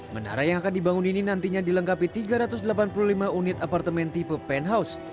menara yang akan dibangun ini nantinya dilengkapi tiga ratus delapan puluh lima unit apartemen tipe painhouse